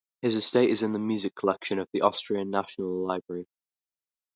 His estate is in the music collection of the Austrian National Library.